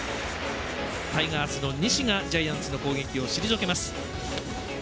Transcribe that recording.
タイガースの西がジャイアンツの攻撃を退けます。